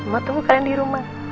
mama tunggu kalian di rumah